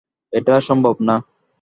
এটা সম্ভব না।